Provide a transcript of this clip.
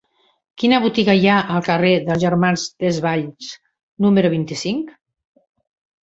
Quina botiga hi ha al carrer dels Germans Desvalls número vint-i-cinc?